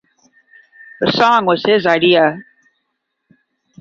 The song was his idea.